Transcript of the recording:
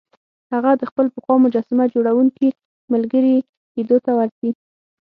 هغه د خپل پخوا مجسمه جوړوونکي ملګري لیدو ته ورځي